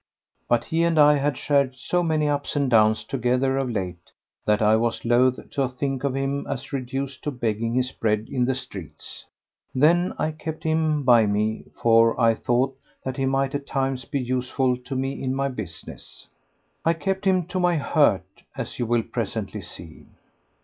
But he and I had shared so many ups and downs together of late that I was loath to think of him as reduced to begging his bread in the streets. Then I kept him by me, for I thought that he might at times be useful to me in my business. I kept him to my hurt, as you will presently see.